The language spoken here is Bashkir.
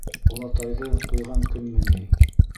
Олатайҙы ҡуйған көнмө ни?